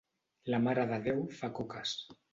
La Mare de Déu fa coques.